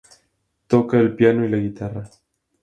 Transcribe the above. Toca el piano y la guitarra.